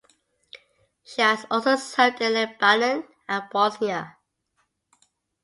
She has also served in Lebanon and Bosnia.